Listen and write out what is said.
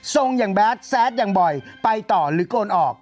ส่งอย่างแบดแซดอย่างบ่อยไปต่อหรือโกนออก